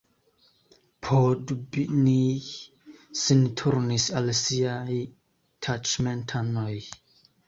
Poddubnij sin turnis al siaj taĉmentanoj.